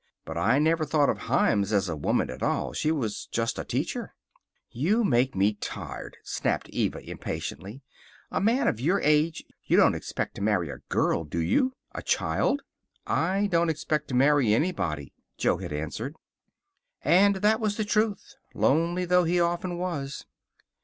But I never thought of Himes as a woman at all. She was just Teacher." "You make me tired," snapped Eva impatiently. "A man of your age. You don't expect to marry a girl, do you? A child!" "I don't expect to marry anybody," Jo had answered. And that was the truth, lonely though he often was.